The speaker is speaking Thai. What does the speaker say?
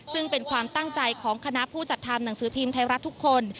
ซึ่งเป็นความตั้งใจของคณะผู้จัดทำหนังสือพิมพ์ไทยรัฐทุกคน